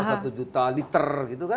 satu juta liter gitu kan